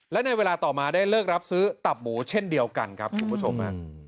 และในเวลาต่อมาได้เลิกรับซื้อตับหมูเช่นเดียวกันครับคุณผู้ชม